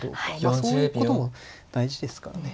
そういうことも大事ですからね。